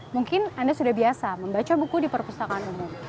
mungkin anda sudah biasa membaca buku di perpustakaan umum